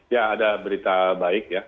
ya ada berita baik ya